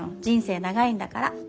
人生長いんだから。